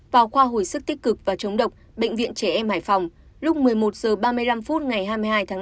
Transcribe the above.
vào khoa hồi sức tích cực và chống độc bệnh viện trẻ em hải phòng lúc một mươi một h ba mươi năm ngày hai mươi hai tháng năm